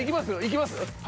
いきます？